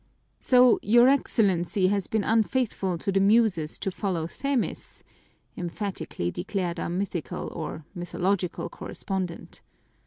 "So your Excellency has been unfaithful to the Muses to follow Themis," emphatically declared our mythical or mythological correspondent.